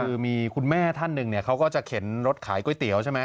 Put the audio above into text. คือมีคุณแม่ท่านหนึ่งเนี่ยเขาก็จะเข็นรถขายก๋วยเตี๋ยวใช่ไหม